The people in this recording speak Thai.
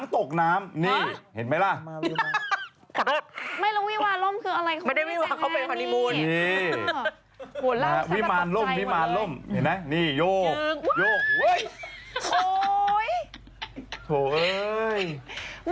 รอของพี่ออกแล้วเดี๋ยวหนูหนูไปทำมาใหม่